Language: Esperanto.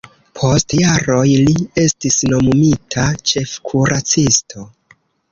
Post jaroj li estis nomumita ĉefkuracisto.